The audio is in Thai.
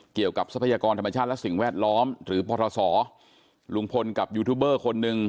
ทรัพยากรธรรมชาติและสิ่งแวดล้อมหรือพศลุงพลกับยูทูบเบอร์คนหนึ่ง